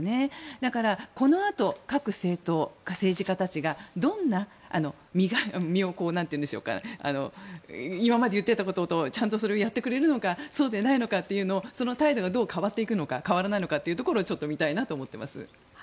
だからこのあと各政党、政治家たちが今まで言っていたこととちゃんとそれをやってくれるのかそうでないのかというのをその態度がどう変わっていくのか変わらないのかというところをちょっと見たいなと思ってます。